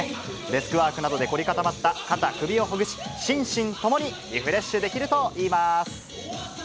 デスクワークなどで凝り固まった肩、首をほぐし、心身ともにリフレッシュできるといいます。